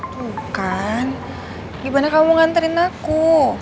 tuh kan gimana kamu nganterin aku